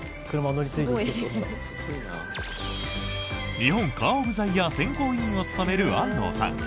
日本カー・オブ・ザ・イヤー選考委員を務める安東さん。